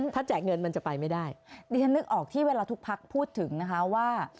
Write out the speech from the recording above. ถ้าแจกเงินมันจะไปไม่ได้ดิฉันนึกออกที่เวลาทุกพักพูดถึงนะคะว่า